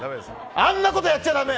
あんなことやっちゃだめ。